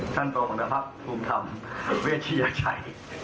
ท่านตัวหัวหน้าภักดิ์ภูมิธรรมเวชเชียชัย